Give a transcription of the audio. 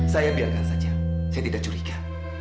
saya biarkan saja saya tidak curiga